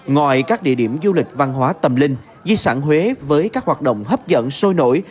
ngoài các địa điểm du lịch văn hóa tâm linh di sản huế với các hoạt động hấp dẫn sôi nổi